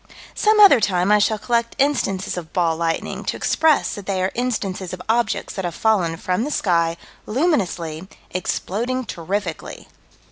Some other time I shall collect instances of "ball lightning," to express that they are instances of objects that have fallen from the sky, luminously, exploding terrifically.